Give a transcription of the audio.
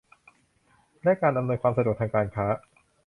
และการอำนวยความสะดวกทางการค้า